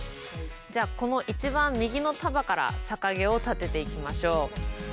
じゃあこの一番右の束から逆毛を立てていきましょう。